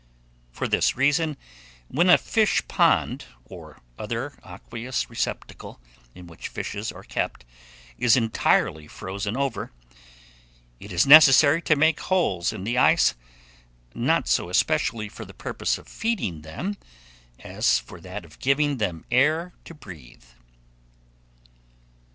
For this reason, when a fishpond, or other aqueous receptacle in which fishes are kept, is entirely frozen over, it is necessary to make holes in the ice, not so especially for the purpose of feeding them, as for that of giving them air to breathe.